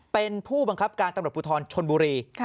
เป็นผู้บังคับการตำรวจภูทรชนบุรี